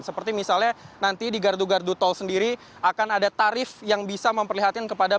seperti misalnya nanti di gardu gardu tol sendiri akan ada tarif yang bisa memperlihatkan kepada